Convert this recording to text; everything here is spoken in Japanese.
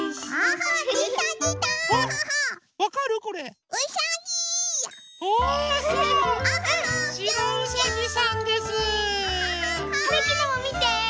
はるきのもみて！